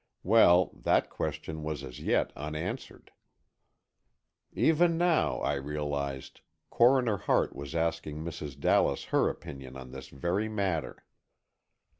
Well, that question was as yet unanswered. Even now, I realized, Coroner Hart was asking Mrs. Dallas her opinion on this very matter.